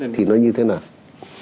thì nó như thế nào